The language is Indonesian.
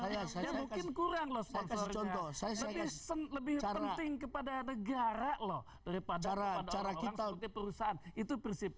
ya mungkin kurang loh sponsornya lebih penting kepada negara loh daripada partai partai lain